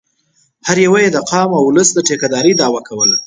هر یوه یې د قام او اولس د ټیکه دارۍ دعوه کوله.